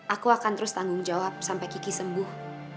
aku akan terus tanggung jawab sampai kiki sembuh